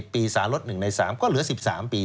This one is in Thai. ปีสารลด๑ใน๓ก็เหลือ๑๓ปี